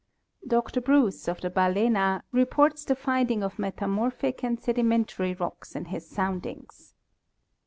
Dr Bruce, of the Balena, reports the finding of metamorphic and sedimentary rocks in his soundings.